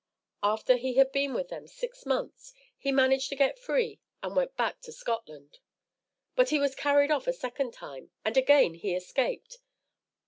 After he had been with them six months, he managed to get free and went back to Scotland. But he was carried off a second time, and again he escaped.